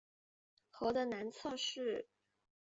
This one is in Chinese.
河的南侧是。